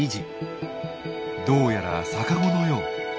どうやら逆子のよう。